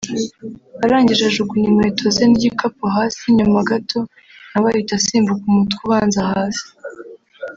arangije ajugunya inkweto ze n’igikapu hasi nyuma gato nawe ahita asimbuka umutwe ubanza hasi”